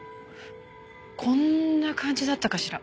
こんな感じだったかしら。